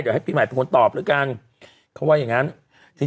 เดี๋ยวให้ปีใหม่เป็นคนตอบแล้วกันเขาว่าอย่างงั้นที